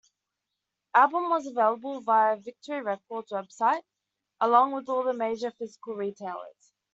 Album was available via Victory Records website, along with all the major physical retailers.